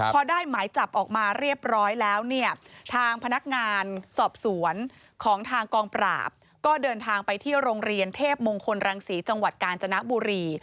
พอได้หมายจับออกมาเรียบร้อยแล้วเนี่ยทางพนักงานสอบสวนของทางกองปราบก็เดินทางไปที่โรงเรียนเทพมงคลรังศรีจังหวัดกาญจนบุรี